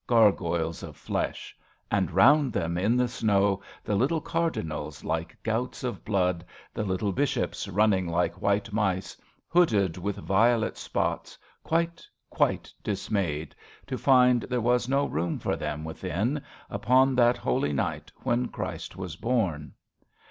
Gargoyles of flesh ; and round them, in the snow, The little cardinals, like gouts of blood, The little bishops, running like white mice, Hooded with violet spots, quite, quite dismayed To find there was no room for them within Upon that holy night when Christ was born.